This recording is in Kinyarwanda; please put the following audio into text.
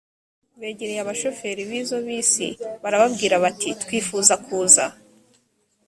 begereye abashoferi b izo bisi barababwira bati twifuza kuza